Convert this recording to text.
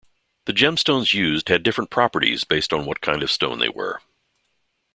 The gemstones used had different properties based on what kind of stone they were.